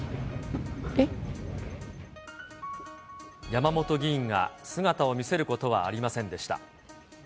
山本議員が姿を見せることはありませんでした。